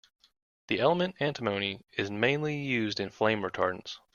The element antimony is mainly used in flame retardants.